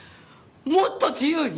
もっと自由に？